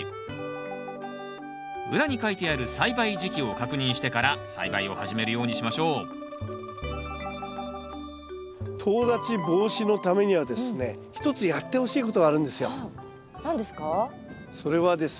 裏に書いてある栽培時期を確認してから栽培を始めるようにしましょうとう立ち防止のためにはですね一つやってほしいことがあるんですよ。